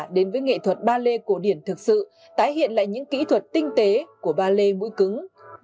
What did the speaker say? đến với nghệ thuật ballet cổ điển thực sự tái hiện lại những kỹ thuật tinh tế của ba lê mũi cứng